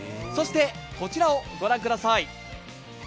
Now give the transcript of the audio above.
そしてこちらを御覧ください。